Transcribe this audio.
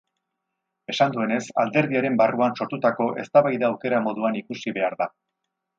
Esan duenez, alderdiaren barruan sortutako eztabaida aukera moduan ikusi behar da.